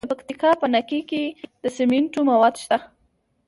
د پکتیکا په نکې کې د سمنټو مواد شته.